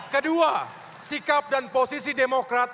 kedua sikap dan posisi demokrat